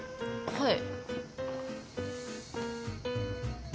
はい？